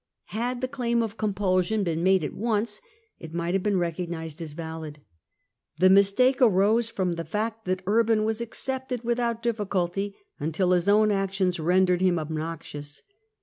Had the claim of compulsion been made at once, it might have been recognised as valid. The mistake arose from the fact that Urban was accepted without difficulty until his own actions rendered him obnoxious.